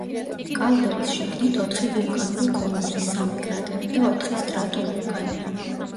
კალდერის შიგნით, ოთხი ვულკანური კონუსი, სამი კრატერი და ოთხი სტრატოვულკანია.